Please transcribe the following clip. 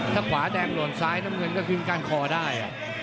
ถ้าขวาแดงหล่นซ้ายน้ำเงินก็ขึ้นก้านคอได้